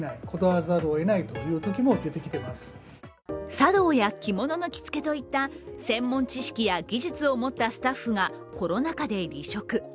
茶道や着物の着付けといった専門知識や技術を持ったスタッフがコロナ禍で離職。